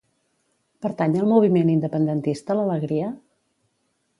Pertany al moviment independentista l'Alegria?